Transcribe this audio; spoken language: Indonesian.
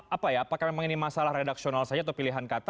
apa ya apakah memang ini masalah redaksional saja atau pilihan kata